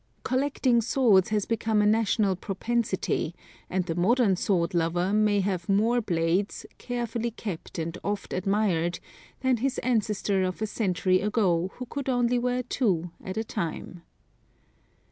Collecting swords has become a national propensity, and the modern sword lover may have more blades, carefully kept and oft admired, than his ancestor of a century ago who could only wear two at a time.